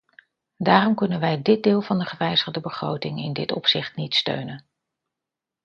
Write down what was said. Daarom kunnen wij dit deel van de gewijzigde begroting in dit opzicht niet steunen.